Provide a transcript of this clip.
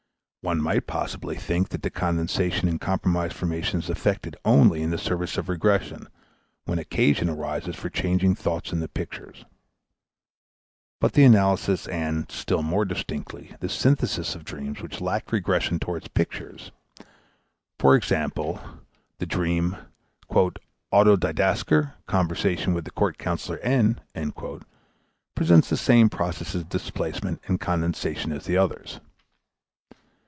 One might possibly think that the condensation and compromise formation is effected only in the service of regression, when occasion arises for changing thoughts into pictures. But the analysis and still more distinctly the synthesis of dreams which lack regression toward pictures, e.g. the dream "Autodidasker Conversation with Court Councilor N.," present the same processes of displacement and condensation as the others.